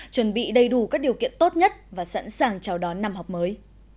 chuẩn bị đầy đủ các điều kiện tốt nhất và sẵn sàng chào đón năm học mới